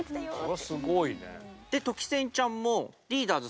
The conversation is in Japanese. それすごいね。